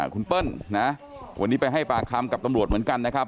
คุณเปิ้ลนะวันนี้ไปให้ปากคำกับตำรวจเหมือนกันนะครับ